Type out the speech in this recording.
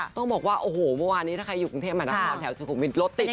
ต้องบอกว่าเมื่อวานนี้ถ้าใครอยู่กรุงเทพฯมาดังร้อนแถวสุขุมวินรถติดไปเลย